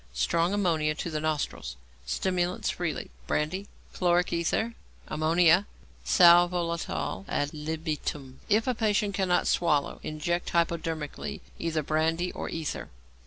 Strong ammonia to the nostrils. Stimulants freely brandy, chloric ether, ammonia, sal volatile ad libitum. If patient cannot swallow, inject hypodermically either brandy or ether.